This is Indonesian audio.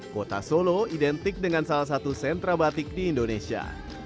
kota solo identik dengan salah satu sentra batik di indonesia